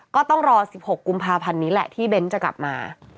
ก็ต้องรอ๑๖กุมภาพันธ์นี้แหละที่เบ้นจะกลับมา